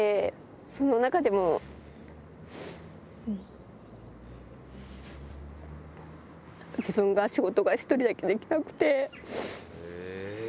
その中でも、自分が仕事が１人だけできなくて。